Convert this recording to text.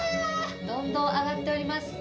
どんどん上がっております。